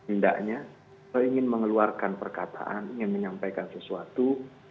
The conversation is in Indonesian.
indahnya ingin mengeluarkan perkataan ingin menyampaikan sesuatu